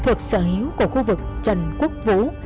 thuộc sở hữu của khu vực trần quốc vũ